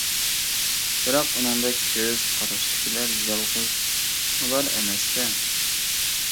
بىراق ئۇنىڭدەك كۆز قاراشتىكىلەر يالغۇز ئۇلا ئەمەستە؟ !